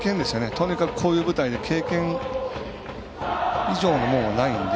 とにかく、こういう舞台で経験以上のものはないんで。